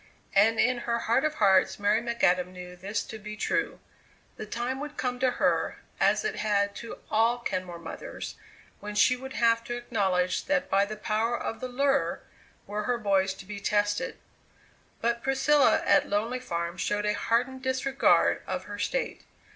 And in her heart of hearts Mary McAdam knew this to be true. The time would come to her, as it had to all Kenmore mothers, when she would have to acknowledge that by the power of the "lure" were her boys to be tested. But Priscilla at Lonely Farm showed a hardened disregard of her state.